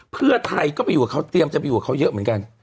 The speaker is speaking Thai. เพื่อไทยก็ไปอยู่กับเขาเตรียมจะไปอยู่กับเขาเยอะเหมือนกัน